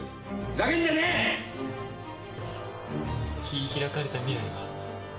ひ開かれた未来は？